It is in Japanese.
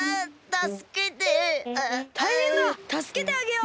たすけてあげよう！